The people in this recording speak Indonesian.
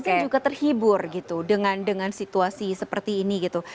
dan netizen juga terhibur gitu dengan situasi seperti ini gitu